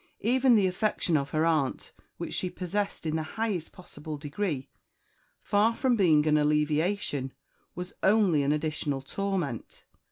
Even the affection of her aunt, which she possessed in the highest possible degree, far from being an alleviation, was only an additional torment.